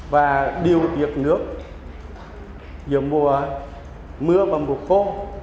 và điều tiết nước giữa mùa mưa và mùa khô